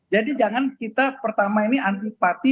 jadi jangan kita pertama ini antipati